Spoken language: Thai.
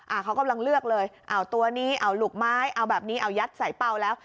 เขากำลังเลือกเลยเอาตัวนี้เอาลูกไม้เอาแบบนี้เอายัดใส่เป้าแล้ว